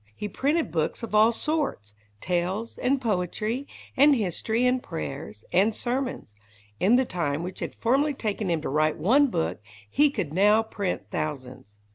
He printed books of all sorts tales, and poetry, and history, and prayers, and sermons. In the time which it had formerly taken him to write one book, he could now print thousands.